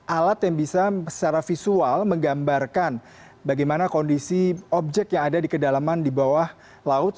alat yang bisa secara visual menggambarkan bagaimana kondisi objek yang ada di kedalaman di bawah laut